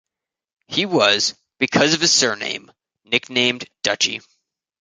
He was, because of his surname, nicknamed "Dutchy".